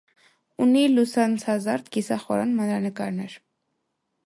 Ունի լուսանցազարդ կիսախորան մանրանկարներ։